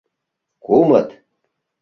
— Кумыт...